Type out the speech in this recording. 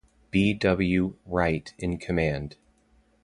B. W. Wright in command.